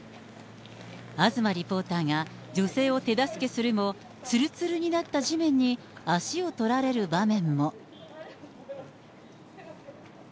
東リポーターが女性を手助けするも、つるつるになった地面に足をとられる場面も。